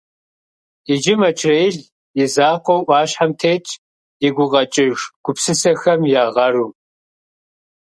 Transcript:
Иджы Мэчрэӏил и закъуэу ӏуащхьэм тетщ и гукъэкӏыж гупсысэхэм я гъэру.